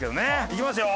いきますよ。